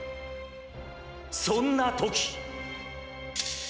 そんなとき。